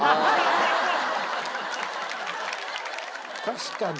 確かに。